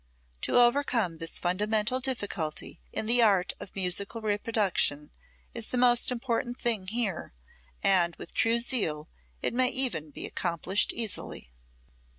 To overcome this fundamental difficulty in the art of musical reproduction is the most important thing here, and with true zeal it may even be accomplished easily.